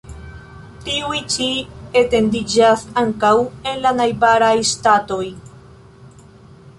Tiuj ĉi etendiĝas ankaŭ en la najbaraj ŝtatoj.